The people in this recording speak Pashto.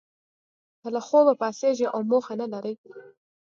که له خوبه پاڅیږی او موخه نه لرئ